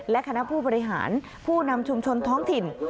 และคณะผู้บริหารผู้นำชุมชนท้องถิ่น